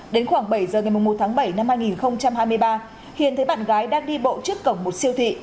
đến khoảng bảy giờ ngày một tháng bảy năm hai nghìn hai mươi ba hiền thấy bạn gái đang đi bộ trước cổng một siêu thị